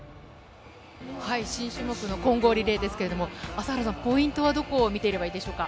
新種目の混合リレーですけれど朝原さんポイントはどこ見てればいいでしょうか？